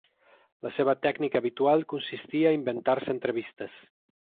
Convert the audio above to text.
La seva tècnica habitual consistia a inventar-se entrevistes.